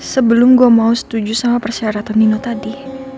sebelum gue mau setuju sama persyaratan nino tadi